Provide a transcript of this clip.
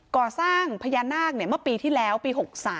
ก่อสร้างพญานาคเมื่อปีที่แล้วปี๖๓